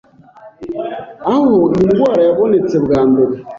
aho iyi ndwara yabonetse bwa mbere